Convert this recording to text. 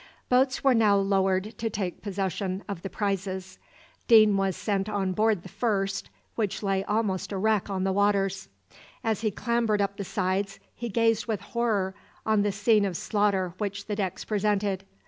Boats were now lowered to take possession of the prizes. Deane was sent on board the first, which lay almost a wreck on the waters. As he clambered up the sides he gazed with horror on the scene of slaughter which the decks presented.